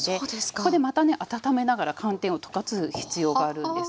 ここでまたね温めながら寒天を溶かす必要があるんですね。